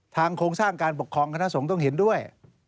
โครงสร้างการปกครองคณะสงฆ์ต้องเห็นด้วย